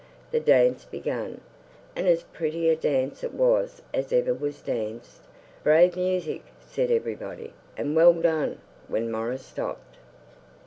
The dance began; and as pretty a dance it was as ever was danced. 'Brave music,' said everybody, 'and well done,' when Maurice stopped.